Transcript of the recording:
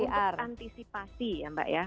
ini kan untuk antisipasi ya mbak ya